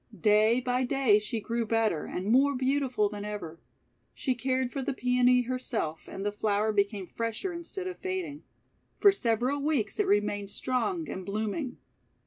Day by day she grew better, and more beautiful than ever. She cared for the Peony herself, and the flower became fresher instead of fading. For several weeks it remained strong and blooming.